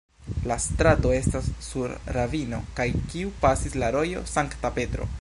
La strato estas sur ravino tra kiu pasis la rojo Sankta Petro.